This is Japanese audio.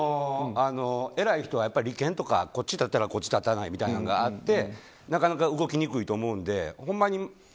偉い人は利権とかこっち立てたらこっち立たないというのがあってなかなか動きにくいと思うのでほんま